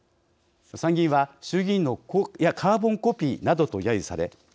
参議院は衆議院のカーボンコピーなどとやゆされ